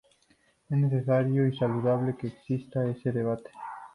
Es necesario y saludable que exista ese debate.